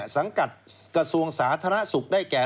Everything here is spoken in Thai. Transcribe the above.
สังกัดกระทรวงสาธารณสุขได้แก่